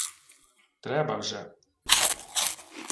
— Треба вже...